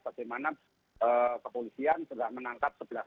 bagaimana kepolisian sudah menangkapnya